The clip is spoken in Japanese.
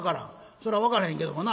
そら分からへんけどもな」。